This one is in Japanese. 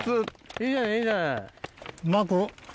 いいじゃないいいじゃない。